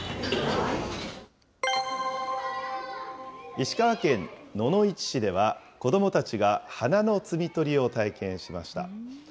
石川県野々市市では、子どもたちが花の摘み取りを体験しました。